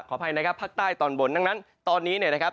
อภัยนะครับภาคใต้ตอนบนดังนั้นตอนนี้เนี่ยนะครับ